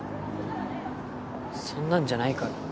そんなんじゃないから。